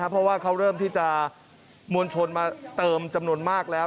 เพราะว่าเขาเริ่มที่จะมวลชนมาเติมจำนวนมากแล้ว